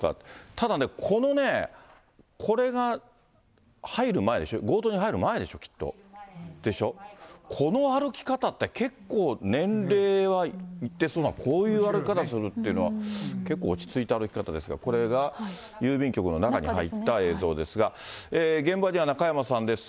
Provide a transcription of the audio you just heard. ただね、このね、これが入る前でしょ、結構、年齢はいってそうな、こういう歩き方するっていうのは、けっこう落ち着いた歩き方ですが、これが郵便局の中に入った映像ですが、現場には中山さんです。